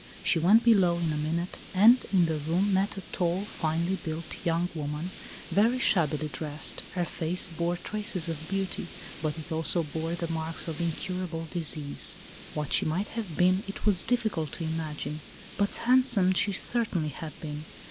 She went below in a minute, and, in the room, met a tall, finely built young woman, very shab bily dressed. Her face bore traces of beauty, but it also bore the marks of incurable disease. 96 ALICE ; OR, THE WAGES OF SIN. What she might have been, it was difficult to imagine, but handsonfe she ceftainly had been.